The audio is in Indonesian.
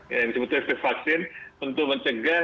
yang disebut efek vaksin untuk mencegah